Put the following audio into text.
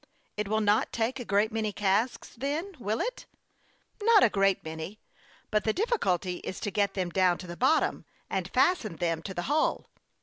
" It will not take a great many casks, then will it?" " Xot a great many ; but the difficulty is to get them down to the bottom, and fasten them to the hull."